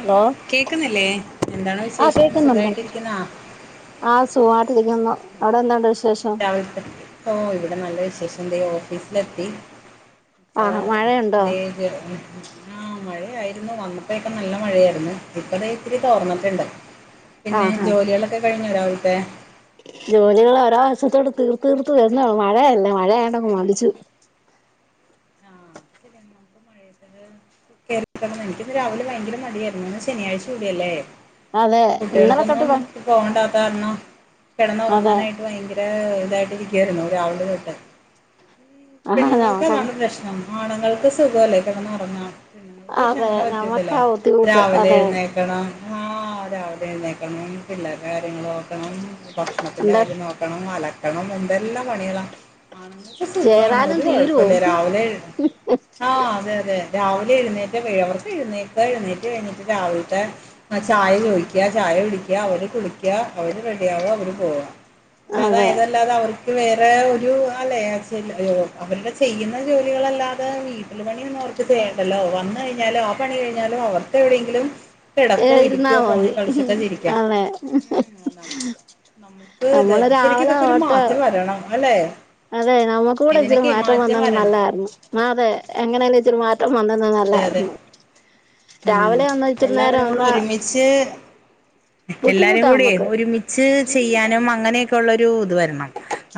Hello കേക്കുന്നില്ലേ എന്താണ് ആഹ് വിശേഷം കേക്കുന്നുണ്ട് സുഖമായിട്ടിരിക്കുന്ന ആ് സുഹാട്ടിരിക്കുന്നു അവിടെ എന്താണ്ട് വിശേഷം ഓ ഇവിടെ നല്ല വിശേഷം ഇതേ ഓഫീസിലെത്തി ആ മഴയുണ്ടോ? [unintelligible] ആഹ് മഴയായിരുന്നു വന്നപ്പെകെ നല്ല മഴയായിരുന്നു ഇപ്പതെ ഇത്തിരി തോർന്നിട്ടുണ്ട് പിന്നെ ആഹ് ആഹ് ജോലികളൊക്കെ കഴിഞ്ഞോ രാവിലത്തെ ജോലികൾ ഒരോവശത്തോട് തീർത്തു തീർത്തു വരുന്നേളും മഴയല്ലേ മഴയായൊണ്ട് അങ്ങ് മടിച്ചു [unintelligible] കേ എനിക്കിന്ന് രാവിലെ ഭയങ്കര മടിയായിരുന്നു ഇന്ന് ശനിയാഴ്ച കൂടിയല്ലേ അതെ ഇന്നലെ തൊട്ട് കുട്ട്യാൾക്കൊന്നും ഭ പോകണ്ടാത്ത കാരണം അതെ കെടന്നൊറങ്ങാനായിട്ട് ഭയങ്കര തെ ഇതായിട്ടിരിക്കയിരുന്നു രാവിലെ തൊട്ടെ ആഹ് പെണ്ണുങ്ങൾക്ക് നമുക്കങ്ങ് അതാണ് പ്രശ്നം ആണുങ്ങൾക്ക് സുഖല്ലേ കെടന്നുറങ്ങാം പെണ്ണുങ്ങൾക്ക് പക്ഷെ അതെ അങ്ങനെ പറ്റുല്ലല്ലോ നമ്മക്കാ ബുദ്ധിമുട്ട് രാവിലെ അതെ എഴുന്നേ എഴുന്നേൽക്കണം ആ രാവിലെ എഴുന്നേൽക്കണം പിള്ളേരടെ കാര്യങ്ങൾ നോക്കണം ഭക്ഷണത്തിന്റെ എന്താ കാര്യം നോക്കണം അലക്കണം എന്തെല്ലാം പണികളാ ആണുങ്ങൾക്ക് സുഖമാണ് ചെയ്താലും ഒരു തീരുവോ കുഴപ്പല്ല രാവിലെ എഴു ആ അതെ അതെ രാവിലെ എഴുന്നേറ്റ അവർക്ക് എഴുന്നേക്ക എഴുന്നേറ്റ് കഴിഞ്ഞിട്ട് രാവിലത്തെ ആ ചായ ചോയിക്ക ചായ കുടിക്ക അവര് കുളിക്ക അവര് റെഡിയവാ അവര് പോവാ ഇല്ലാതാ അതെ എതല്ലാതാ അവർ [unintelligible] വേറെ ഒരു അല്ലെ അവരുടെ ചെയ്യുന്ന ജോലികളല്ലാതെ [unintelligible] [unintelligible] പണിയൊന്നും അവർക്ക് ചെയ്യണ്ടല്ലോ വന്ന് കഴിഞ്ഞാലും ആ പണി കഴിഞ്ഞാലും അവർക്ക് എവിടെയെങ്കിലും ഏ കിടക്കോ ഇരുന്നാ ഇരിക്കോ മതി ഫോണിൽ കളിച്ചൊക്കെ ചിരിക്കാം. അതെ ഉം. നം- നമുക്ക് ഇത് നമ്മള് ശെരിക്കും രാവിലെ ഇതൊക്കെ ഒരു തൊട്ട് മാറ്റം വരണം അല്ലെ അതെ നമുക്കു കൂടെ ഇച്ചിരി ഇതിനൊക്കെ മാറ്റം വന്നാൽ വരണം. നല്ലായിരുന്നു ആ അതെ എങ്ങനെങ്കിലും ഇച്ചിരി മാറ്റം [unintelligible] അതെ അതെ. നല്ലർന്നു ഉം നേരം എല്ലാവരും കൂടെ ഒന്ന് ഒരുമിച്ച് എല്ലാരും ബുദ്ധിമുട്ടാ കൂട്യേ നമ്മുക്ക് ഒരുമി ച്ച് ചെയ്യാനും അങ്ങനെയൊക്കെ ഉള്ളരു ഇത് വരണം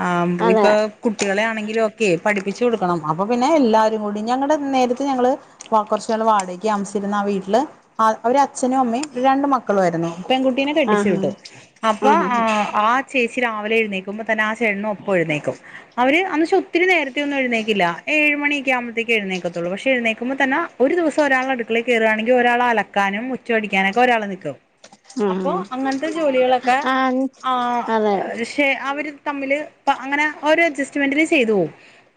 ആ അതെ ഇപ്പൊ കുട്ടികളെ ആണെങ്കിലു ഒക്കെ പഠിപ്പിച്ചു കൊടുക്കണം അപ്പൊ പിന്നെ എല്ലാരും കൂടി ഞങ്ങള് നേരത്തെ ഞങ്ങള് വ കുറച്ചുനാൾ വാടകയ്ക്ക് താമസിച്ചിരുന്ന ആ വീട്ടില് ആ അവര് അച്ഛനും അമ്മയും രണ്ടു മക്കളു ആരുന്നു പെൺകു കുട്ടീനെ കെട്ടിച്ചു ആഹ് വിട്ടു അപ്പൊ ആഹ് ആ ആ ചേച്ചി രാവിലെ എഴുന്നേൾക്കു മുൻപ് തന്നെ ആ ചേട്ടൻ ഒപ്പം എഴുന്നേക്കും അവര് അന്ന് ഒത്തിരി നേരത്തെ ഒന്നും എഴുന്നേൽക്കില്ല ഏഴു മണി ഒക്കെ ആകുമ്പോഴുതെക്കേ എഴുനേൽക്കത്തൊള്ളൂ പക്ഷെ എഴുന്നേ മുമ്പ് തന്നെ ഒരു ദിവസം ഒരാൾടുക്കളേ കയറുവാണെങ്കിൽ ഒരാള് അലക്കാനും മുറ്റം അടിക്കാനൊക്കെ ഒരാള് നിക്കും ആഹ് അപ്പൊ അങ്ങനത്തെ ജോലികളൊക്കെ ആഹ് ആ അതെ [unintelligible] പക്ഷെ അവര് തമ്മില് പ അങ്ങനെ ഒരു അഡ്ജസ്റ്റ്മെന്റില് ചെയ്തുപോകും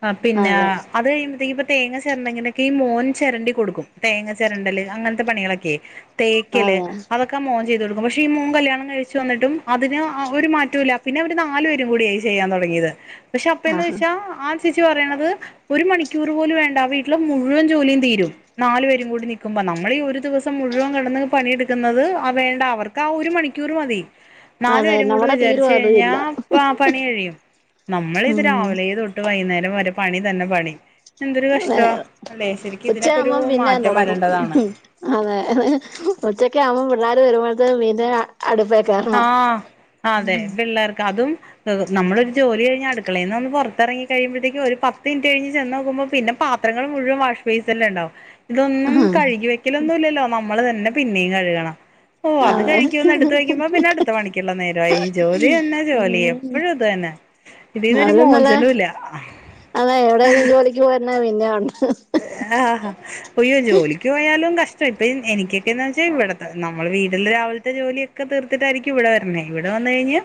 ആ പിന്നെ അതെ അത് കഴിയുമ്പഴത്തേക്ക് ഇപ്പ തേങ്ങ ചെരണ്ടങ്ങനെ ഈ മോൻ ചെരണ്ടി കൊടുക്കും തേങ്ങ ചെരണ്ടല് അങ്ങനത്തെ പണികളൊക്കെ തേക്കല് അതെ അത് ഒക്ക മോൻ ചെയ്തു കൊടുക്കും പക്ഷെഈ മോൻ കല്യാണം കഴിച്ചു വന്നിട്ടും അതിന് ആ ഒരു മാറ്റുല്ല പിന്നെ അവരു നാല് പേരും കൂടി ആയി ചെയ്യാൻ തൊടങ്ങിയത് പക്ഷെ അപ്പന്ന് ആഹ് വെച്ചാൽ ആ ചേച്ചി പറയണത് ഒരു മണിക്കൂർ പോലും വേണ്ട ആ വീട്ടിലെ മുഴുവൻ ജോലിയും തീരും നാലു പേരും കൂടി നികുമ്പോ നമ്മളി ഒരു ദിവസം മുഴുവൻ കെടന്ന് പണിയെടുക്കുന്നത് ആ വേണ്ട അവർക്ക് ആ ഒരു മണിക്കൂർ മതി [inaudible] നാലു പേരും കൂടെ നമ്മുടെ തീരും വിചാരിച്ചു അതും കഴിഞ്ഞാ ഇല്ല ഇപ്പൊ ആ പണി കഴിയും നമ്മള് ഇത് ഉം രാവിലെ തൊ വൈന്നേരം വരെ പണി തന്നെ പണി എന്തൊരു അതെ കഷ്ടാ അല്ലെ ശെരിക്ക് ഇതിനക്കൊരു ഉച്ചയാകുമ്പം പിന്നേം മാറ്റം തുടങ്ങും വരണ്ടതാണ് അതെ അതെ ഉച്ചക്കാവുബം പിള്ളേർ വരുമ്പോഴത്തെ മീന്റെ അടുപ്പെ ആ അതെ പിള്ളേർക്ക് അതും നമ്മളൊരു ജോലി കഴിഞ് അടുക്കളേ ന്നൊന്ന് പൊറത്തെറങ്ങികഴിയുമ്പോഴുത്തേക്ക് ഒരു പത്ത് മിനിറ്റ് കഴഞ്ഞ് ചെന്നോക്കുമ്പോ പിന്നെ പാത് പാത്രങ്ങൾ മുഴുവൻ വാഷ് ബേസനിൽണ്ടാവും ഇതൊന്നും കഴുകി വെക്കലൊന്നുല്ലല്ലോ നമ്മള് തന്നെ പിന്നയും കഴുകണം ഓ അത് അതെ കഴുകി ഒന്ന് എടുത്ത് വെക്ക് അപ്പൊ പിന്നെ അടുത്ത പണിക്കുള്ള നേരം ആയി ജോലി തന്നെ ജോലി എപ്പോഴും ഉം അത് തന്നെ ഇതിന്നൊരു മോചനുല്ല അതാ എവിടേലും ജോലിക്ക് പോരന്നാ പിന്നെയൊണ്ട് ആഹാ ഒയ്യോ ജോലിക്ക് പോയാലും കഷ്ടം ഇപ്പൊ എനിക്കൊക്കൊന്ന് വെച്ചാ ഇവിടെ നമ്മള് വീട്ടിലെ രാവിലത്തെ ജോലിയൊക്കെ തീർത്തിട്ടായിരിക്കും ഇവിടെ വരണെ ഇവിടെ വന്ന് കഴിഞ്ഞാ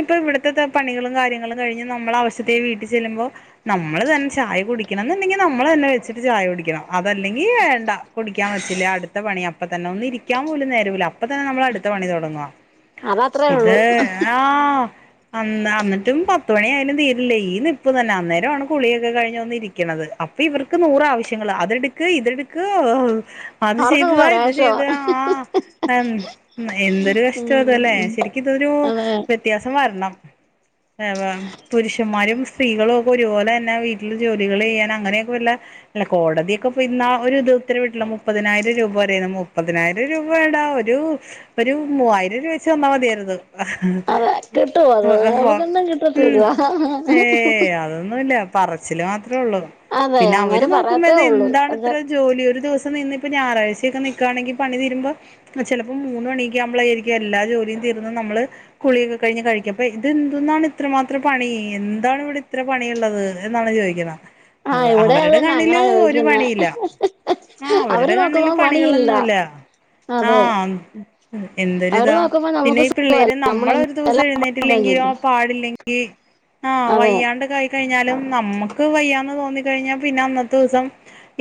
ഇപ്പൊ ഇവിടുതത്തെ പണികളും കാര്യങ്ങളും കഴിഞ്ഞ് നമ്മൾ അവശതയിൽ വീട്ടിൽ ചെല്ലുമ്പോ നമ്മള് തന്നെ ചായ കുടിക്കണംന്നുണ്ടെങ്കിൽ നമ്മള് തന്നെ വെച്ച ചായ കുടിക്കണം അതല്ലെങ്കി വേണ്ട കുടിക്കാൻ വച്ചില്ലേ അടുത്ത പണി അപ്പത്തന്നെ ഒന്ന് ഇരി യ്ക്കാൻ പോലും നേരോല്ല അപ്പൊത്തന്നെ നമ്മൾ അടുത്ത പണി തുടങ്ങുവ അതത്രേ ഉള്ളൂ ഇത് ആഹ് അന്ന് അന്നിട്ടും പത്ത് മണി ആയാലും തീരില്ലേ ഈ നിപ്പ് തന്നെ അന്നേരം ആണ് കുളിയൊക്കെ കഴിഞ്ഞ് ഒന്നിരിക്ക ക്ക്ണത് അപ്പൊ ഇവർക്ക് നൂറ് ആവശ്യങ്ങള അതെടുക്ക് ഇതടുക്ക് ഓഹ് അത് ചെയ്ത് അവർക്കൊക്കെ താ ഇത് പരവേഷവാ ചെയ്ത് താ ആഹ് ആഹ് എന്തൊരു കഷ്ട്ടത് ല്ലെ ഉം ശരിക്കും ഇതൊരു അതെ വ്യത്യാസം വരണം അതാണ് പുരുഷന്മാരും സ്ത്രീകളും ഒക്കെ ഒരുപോലെന്നെ വീട്ടില് ജോലികള് ചെയ്യാൻ അങ്ങനെയൊക്കെള്ള അല്ല കോടതിയൊക്കെപോ ഇന്നാ ഒരു ഇത് ഉത്തരവിട്ടില്ലേ മുപ്പതിനായിരം രൂപ വരെ മുപ്പതിനായിരം രൂപടാ ഒരു ഒരു മൂവായിരം രൂപ വെച്ച് തന്ന മതിയരുന്ന് അതെ കിട്ടും അത് നമുക്കൊന്നും ഉം കിട്ടത്തില്ല ഏഹ് അതൊന്നുല്ല പറച്ചില് മാത്രെ ഒള്ളു അതെ പിന്നെ അങ്ങനെ അവര് നോക്കുമ്പോ പറയത്തേ ഇത് ഉള്ളൂ എന്താണ് അതെ ഇത്ര ജോലി ഒരു ദിവസം നിന്ന് ഇപ്പ ഞായറാഴ്ചൊക്കെ നിക്കണെങ്കി പണി തീരുമ്പോ ചെലപ്പോ മൂന്ന് മണിയൊക്കെ ആവുമ്പളായിരിക്കും എല്ലാ ജോലിയും തീർന്ന് നമ്മള് കുളിയൊക്കെ കഴിഞ്ഞ് കഴിക്കും അപ്പ ഇതെന്തന്നാണ് ഇത്രമാത്രം പണി എന്താണ് ഇവിടെ ഇത്ര പണിയുള്ളത് എന്തണ് ചോയിക്കുന്നെ ആഹ് ഇവിടെ അത് തന്നെ അങ്ങന ചോദിയ്ക്കുന്നേ പണിയില്ല ആഹ് അവര് അവരുടെ നോക്കുമ്പോ കണ്ണില് പണിയില്ല പണികളൊന്നുല്ല അതെ ആഹ് അവര് എന്തൊരിതാ നോക്കുമ്പോ നമുക്ക് പിന്നെ ഈ പിള്ളേര് നമ്മളൊന്നും നമ്മളൊരു ദിവസം എഴുന്നേറ്റില്ലെങ്കിലോ കഴിഞ്ഞില്ല പാടില്ലെ ഈ ആഹ് അതെ വയ്യാണ്ടൊക്കെ ആയി കഴിഞ്ഞാലും നമ്മക്ക് വയ്യന്ന് തോന്നി കഴിഞ്ഞാ പിന്നെ അന്നത്തെ ഉസം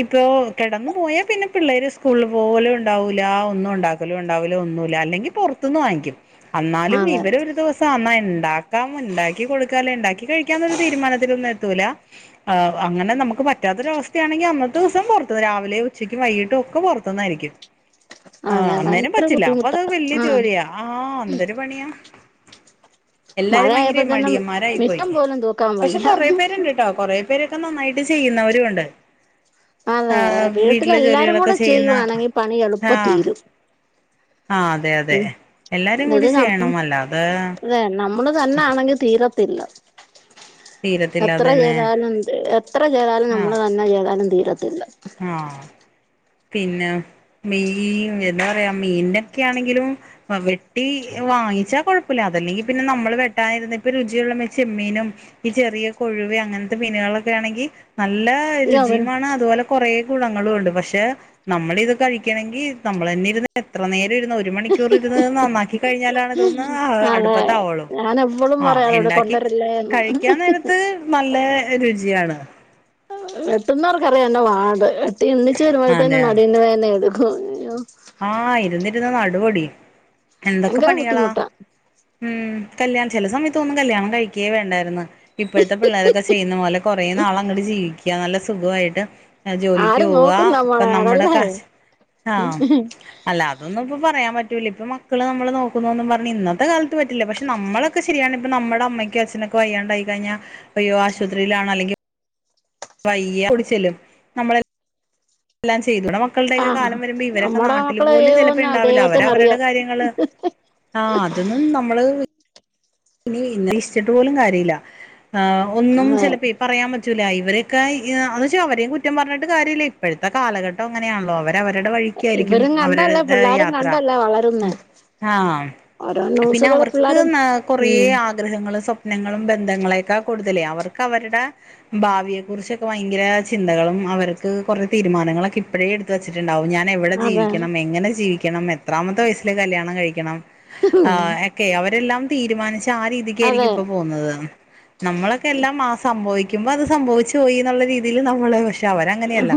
ഇപ്പൊ കെടന്നുപോയ പിന്നെ പിള്ളേര് സ്കൂളില് പോവലും ഉണ്ടാവൂല ഒന്നും ഉണ്ടാവില്ല ണ്ടാവൂല ഒന്നുല്ല അല്ലെങ്കി പൊറത്തുന്ന് വാങ്ങിക്കും അന്നാലും അതെ ഇവര് ഒരു ദിവസ സമയം ഇണ്ടാക്കാം ഇണ്ടാക്കി കൊടുക്കാ അല്ലേ ഇണ്ടാക്കി കഴിക്കാം ന്നൊരു തീരുമാനത്തിലൊന്നും എത്തൂല ആഹ് അങ്ങനെ നമ്മക്ക് പറ്റാത്തൊരവസ്ഥയാണെങ്കി അന്നത്തെ ദിവസം പുറത്തന്ന് രാവിലെ ഉച്ചയ്ക്കും വൈകീട്ടും ഒക്കെ പുറത്തുന്നായിരിക്കും ആഹ് അതെ അന്നേരം ഭയങ്കര പറ്റില്ല അപ്പൊ ബുദ്ധിമുട്ടാ അത് വല്യ ആഹ് ജോലിയാ ആഹ് എന്തൊരു പണിയാ എല്ലാരും വയങ്കര മഴയായപ്പോഴത്തന്നെ മടിയമ്മാരായി പോയി മിറ്റം പോലും തൂക്കാൻ പക്ഷെ വയ്യ കൊറേ പേരിണ്ട്ട്ടോ കൊറേ പേരൊക്കെ നന്നായിട്ട് ചെയ്യുന്നവരും ഉണ്ട് അതെ ആഹ് വീട്ടിലെ വീട്ടിലെല്ലാരും ജോലികളൊക്കെ കൂടെ ചെയ്യുന്ന ചെയ്യുവാണെങ്കിൽ പണി എളുപ്പം ആഹ് തീരും ആഹ് അതെ അതെ എല്ലാരും കൂടി ചെയ്യണം അല്ലാതെ അതെ നമ്മള് തന്നാണെങ്കി തീരത്തില്ല തീരത്തില്ല എത്ര അതന്നെ ചെയ്താലും എത്ര ചെയ്താലും നമ്മള് ആഹ് തന്നെ ചെയ്താലും തീരത്തില്ല ആഹ് പിന്നെ മീൻ എന്താ പറയാ മീനൊക്കെയാണെങ്കിലും വെട്ടി വാങ്ങിച്ചാ കൊഴപ്പല്ല അതല്ലെങ്കി പിന്നെ നമ്മള് വെട്ടാനിരുന്നിപ്പൊ രുചിയുള്ള ചെമ്മീനും ഈ ചെറിയ കൊഴുവ അങ്ങനത്തെ മീനുകളൊക്കെ ആണെങ്കി നല്ല അവനും രുചിയുമാണ് അതുപോലെ കുറേ ഗുണങ്ങളുണ്ട് പക്ഷെ നമ്മളിത് കഴിക്കണങ്കി നമ്മളെന്നെ ഇരുന്ന് എത്ര നേരം ഇരുന്ന ഒര് ഒരു മണിക്കൂർ ഇരുന്ന് നന്നാക്കി കഴിഞ്ഞാലാണ് ഇതൊന്ന് അതെ അടുപ്പത്തവൊള്ളൂ ഞാൻ എപ്പളും ആഹ് പറയാ അവിടെ ഇണ്ടാക്കി കൊണ്ടുവരല്ലേ എന്ന് കഴിക്കാൻ നേരത്ത് നല്ല രുചിയാണ് വെട്ടുന്നോർക്കറിയാം അയിന്റെ പാട് വെട്ടി എണിച്ചു വരുമ്പോഴത്തേനും അതെ നടുവിന്ന് വേന എടുക്കും [unintelligible] ആഹ് ഇരുന്നിരുന്ന് നടു ഒടിയും എന്തൊക്കെ ഭയങ്കര പണികളാ ബുദ്ധിമുട്ടാ ഉം കല്യാണം ചില സമയത്ത് തോന്നും കല്യാണം കഴിക്ക്യേ വേണ്ടായിരുന്നു ഇപ്പോഴത്തെ പിള്ളേരൊക്കെ ചെയ്യുന്ന പോലെ കൊറേ നാളങ്ങട്ട് ജീവിക്ക്യ നല്ല സുഖവായിട്ട് ജോലിക്ക് ആര് പോവ നോക്കും ഒക്കെ നമ്മളെ നമ്മുടെ കാശ് ആഹ് ഉം അല്ല അതൊന്നുംപ്പൊ പറയാൻ പറ്റൂല ഇപ്പ മക്കള് നമ്മളെ നോക്കുന്നൊന്നും പറഞ്ഞ് ഇന്നത്തെ കാലത്ത് പറ്റില്ല പക്ഷെ നമ്മള് ഒക്കെ ശരിയാണ് ഇപ്പ നമ്മടെ അമ്മയ്ക്കും അച്നൊക്കെ വയ്യാണ്ടായിക്കഴിഞ്ഞാ അയ്യോ ആശുപത്രിയിലാണ് അല്ലെങ്കി വയ്യ ഓടിചെല്ലും നമ്മളെ എല്ലാം ചെയ്തുടണം [unintelligible] മക്കള്ടെയൊക്കെ ആഹ് കാലം വരുമ്പ ഇവരൊക്കെ നമ്മടെ നാട്ടില് മക്കള് പോലും ചെലപ്പോ ചെയ്യുവോന്ന് ണ്ടാവില്ല അവര് അവര്ടെ ദൈവത്തിനറിയാം കാര്യങ്ങള് ആഹ് അതൊന്നും നമ്മള് ഇനി ഇന്ന് ഇഷ്ടിട്ട് പോലും കാര്യല്ല ഒന്നും അതെ ചെലപ്പെ പറയാൻ പറ്റൂല ഇവരൊക്ക എന്ന്ച്ചാ അവരെയും കുറ്റം പറഞ്ഞിട്ട് കാര്യല്ല ഇപ്പഴത്ത കാലഘട്ടം അങ്ങനയാണല്ലോ അവര് അവര്ടെ വഴിക്കാരിക്കും ഇവരും കണ്ടല്ലേ അവര്ടെ പിള്ളാരും യാത്ര കണ്ടല്ലേ വളരുന്നെ ആഹ് ഓരോ പിന്നെ ന്യൂസുകള് അവർക്ക് പിള്ളാരും ന്നാ കൊറേ ഉം ആഗ്രഹങ്ങളും സ്വപ്നങ്ങളും ബന്ധങ്ങളെക്കാ കൂടുതലേ അവർക്ക് അവര്ട ഭാവിയെ കുറിച്ചൊക്കെ ഭയങ്കര ചിന്തകളും അവർക്ക് കൊറേ തീരുമാനങ്ങളൊക്കെ എപ്പഴേ എട്ത്ത് വച്ചിട്ട്ണ്ടാവും ഞാൻ എവ്ടെ അതെ ജീവിക്കണം എങ്ങനെ ജീവിക്കണം എത്രാമത്തെ വയസ്സില് കല്യാണം കഴിക്കണം ഉം ആ എക്കെ അവരെല്ലാം തീരുമാനിച്ച് ആ അതെ രീതിക്കാരിക്കും ഇപ്പ പോന്നത് നമ്മളൊക്കെ എല്ലാം ആ സംഭവിക്കുമ്പോ അത് സംഭവിച്ചു പോയി എന്നൊള്ള രീതില് നമ്മള് പഷേ പഷേ അവരങ്ങനെയല്ല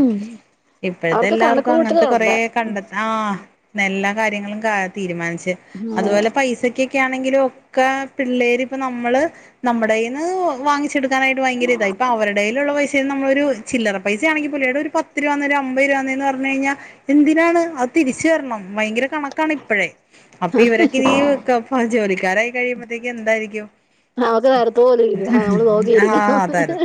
ഇപ്പഴത്തെ അവർക്ക് കണക്ക് എല്ലാർക്കും അങ്ങനത്തെ കൊറേ കൂട്ടലുണ്ട് കണ്ടെത്ത ആഹ് നല്ല കാര്യങ്ങളും കാ തീരുമാനിച്ച് അതുപോലെ പൈസക്കൊക്കെ ആണെങ്കിലോ ക്കെ പിള്ളാരിപ്പ നമ്മള് നമ്മടെ കൈന്ന് വാങ്ങിചെടു ക്കാനായിട്ട് ഭയങ്കര ഇതാ ഇപ്പ അവരടെകൈലൊള്ള പൈസ റ്റെ നമ്മളൊരു ചില്ലറപൈസയാണെങ്കിപോലും എടാ ഒര് പത്ത് രൂപന്നെ ഒര് അമ്പത് രൂപന്നേ ലും പറഞ് കഴിഞ്ഞാ എന്തിനാണ് അത് തിരിച്ചു തരണം ഭയങ്കര കണക്കാണ് ഇപ്പഴെ അപ്പ ഇവരൊക്കെ ഈ ജോലിക്കാരായി ഇത്തിരി കഴിയമ്പഴത്തേക്ക്‌ എന്തായിരിക്കും നമുക്ക് നേരത്ത് പോലും ഇല്ല നമ്മള് ആഹ് നോക്കിയിരിക്കണം അതാര്ന്ന്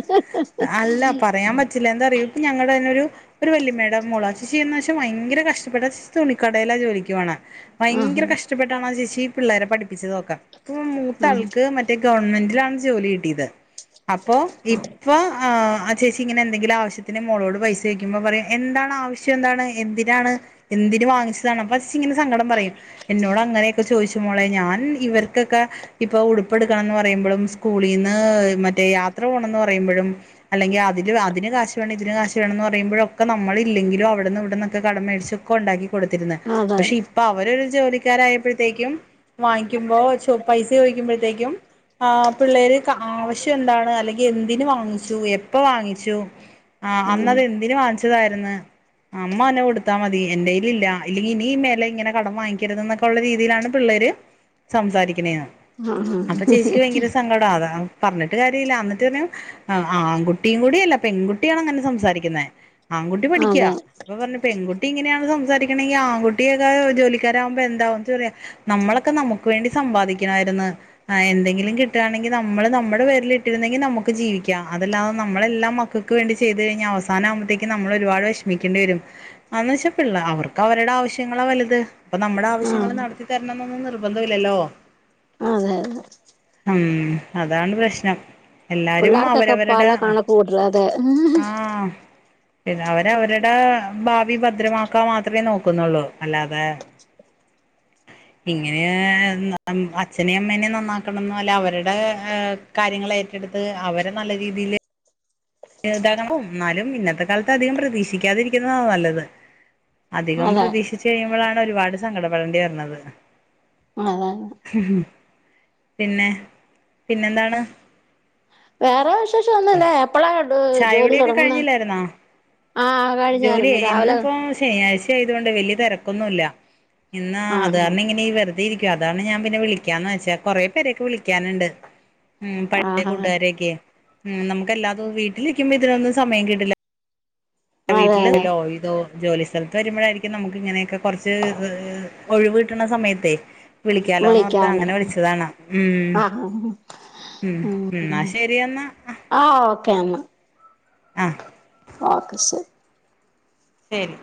അല്ല പറയാൻ പറ്റില്ല എന്താറിയൊ പ്പ ഞങ്ങടന്നൊരു ഒര് വല്യമ്മേടെ മോള് ആച്ചീന്ന് വെച്ചെ ഭയങ്കര കഷ്ടപ്പെട്ട ച തുണിക്കടലാ ജോലിക്കുപോണ ഭയങ്കര ആഹ് കഷ്ട്ടപ്പെട്ടാണ് ആ ചേച്ചി പിള്ളാരെ പഠിപ്പിച്ചത് ഒക്കെ ഇപ്പ മൂത്താൾക്ക് മ മറ്റെ ഗവൺമെന്റിലാണ് ജോലി കിട്ടിയത് അപ്പോ ഇപ്പ ആ ചേച്ചി ഇങ്ങനെ എന്തെങ്കിലും ആവശ്യത്തിന് മോളോട് പൈസ ചോയിക്കുമ്പം പറയും എന്താണ് ആവശ്യം എന്താണ് എന്തിനാണ് എന്തിന് വാങ്ങിച്ചതാണ് ഫസ്റ്റിങ്ങനെ സങ്കടം പറയും എന്നോട് അങ്ങനെയൊക്കെ ചോയിച്ചു മോളെ ഞാൻ ഇവർ ക്കക്കെ ഉപ്പ ഉടുപ്പെടുക്കണംന്ന് പറയുമ്പഴും സ്കൂളിന്ന് മറ്റേ യാത്ര പോണംന്ന് പറയ്മ്പഴും അല്ലെങ്കി അതില് അതിന് കാശ് ട്ട് വേണം ഇതിന് കാശ് വെണന്ന് പറയുമ്പഴോക്കെ നമ്മളില്ലെങ്കിലും അവടന്ന് ഇവടന്നൊക്കെ കടം മേടിച്ചൊക്കെണ്ടാക്കി കൊടുത്തിരുന്നെ അതെ അതെ പഷേ ഇപ്പ അവര് ഒരു ജോലിക്കാരായപ്പഴത്തേക്കും വാങ്ങിക്കുമ്പോ പ്പ പൈസ ചോയിക്കുമ്പഴത്തേക്കും ആ പിള്ളാര്ക്കു ആവശ്യം എന്താണ് അല്ലെങ്കി എന്തിന് വാങ്ങിച്ചു എപ്പ വാങ്ങിച്ചു ആഹ് അന്നത് എന്തിന് വാങ്ങിച്ചതാര്ന്ന്? അമ്മ അന്നെ കൊടുത്താ മതി എന്റെ കൈലില്ല ഇല്ലങ്കി ഇനി മേല ഇങ്ങനെ കടം വാങ്ങിക്കര്ത് നൊക്കെ ഉള്ള രീതിയിലാണ് പിള്ളാര് സംസാരിക്കണെന്ന് ആഹ് അപ്പ ചേച്ചിക്ക് ഭയങ്കര സങ്കടാ അതാ പറഞ്ഞിട്ട് കാര്യല്ല അന്നട്ടി പറഞ്ഞു ആൺകുട്ടിയും കൂടിയല്ല പെൺകുട്ടിയാണ് അങ്ങനെ സംസാരിക്കുന്നെ ആൺ കുട്ടി പഠിക്കാ അതെ ഇപ്പ പറഞ്ഞ പെൺകുട്ടി ഇങ്ങനെയാണ് സംസാരിക്കണെങ്കി ആൺകുട്ടിയൊക്കെ ജോലിക്കാരാവ്മ്പ എന്താവും എന്നിട്ട് പറയാ നമ്മളൊക്കെ നമ്ക്ക് വേണ്ടി സമ്പാദിക്കണാര്ന്നു ആ എന്തെങ്കിലും കിട്ടാണെങ്കി നമ്മള് നമ്മടെ പേരിൽ ഇട്ടിര്ന്നെങ്കിൽ നമുക്ക് ജീവിക്കാം അതല്ലാതെ നമ്മളെല്ലാം മ മക്കക്ക് വേണ്ടി ചെയ്ത് കഴിഞ്ഞാ അവസാനാമ്പത്തേക്ക് നമ്മള് ഒര്പാട് വെഷമിക്കേണ്ടിവരും. അന്ന്ച്ചാ പിള്ള അവർക്ക് അവര്ടെ ആവശ്യങ്ങളാ വല്ത് അപ്പ നമ്മടെ ആവശ്യങ്ങള് ആഹ് നടത്തിത്തരണം ന്നൊന്നും നിർബന്ധവില്ലല്ലോ? അതെ ഉം അതാണ് പ്രശ്നം എല്ലാരും പിള്ളേർക്കൊക്കെ പല അവരവര്ടെ കണക്ക് കൂട്ടല് അതെ ആഹ് പിന്നെ അവര് അവര്ടെ ഭാവി ഭദ്രമാക്കാ മാത്രമേ നോക്കുന്നൊള്ളൂ അല്ലാതെ ഇങ്ങനെ ന അച്ഛനേം അമ്മേനേം നന്നാക്കണം ന്നല്ല അവര്ടെ കാര്യങ്ങളെറ്റടുത്ത് അവരെ നല്ല രീതിയില് [unintelligible] ന്നാലും ഇന്നത്തെ കാലത്ത് അധികം പ്രതീക്ഷിക്കാതിരിക്കുന്നതാ നല്ലത് അധികം അതെ പ്രതീക്ഷിച്ചു കഴിയുമ്പളാണ് ഒരുപാട് സങ്കടപ്പടണ്ടി വര്ണത് ആഹ് ആഹ് ആഹ് പിന്നെ പിന്നെന്താണ് വേറെ വിശേഷം ഒന്നുല്ല എപ്പളാ ജോലി ചായകുടിയൊക്കെ തുടങ്ങുന്നെ കഴിഞ്ഞില്ലായിരുന്നോ ആഹ് ജോലി കഴിഞ്ഞായിരുന്നു രാവിലെ ഇന്നിപ്പോ ശനിയാഴ്ച. ചെയ്തൊണ്ട് വലിയ തിരക്കൊന്നും ഇല്ല ഇന്ന് അത് ആഹ് കാരണം ഇങ്ങനെ വെ അതായിക്കും അതാണ് ഞാൻ പിന്നെ വിളിക്കാന്ന് വെച്ച കുറേ പേരെക്കെ വിളിക്കാനുണ്ട് ഉം പഴയ ആഹ് കൂട്ടുകാരൊക്കെ ഉം നമുക്ക് എല്ലാതും വീട്ടിലിരിക്കുമ്പോ ഇതിനൊന്നും സമയം കിട്ടില്ല ഏഹ് അതെ വീട്ടില്ല് അതെ ലോ ഇതോ ജോലി സ്ഥലത്ത് വരുമ്പോഴായിരിക്കും നമുക്ക് ഇങ്ങനെയൊക്കെ കുറച്ച് ഹ് ഹ് ഒഴിവ് കിട്ടണ സമയത്തേ വിളിക്കാലോന്നോർത്ത് വിളിക്കാം അങ്ങനെ അന്നേരം വിളിച്ചതാണ് ഉം ആഹ് ഉം ഇന്നാ ആഹ് ശെരിയെന്നാ ആഹ് ഓക്കേ എന്നാ ഓക്കെ ശ ശരി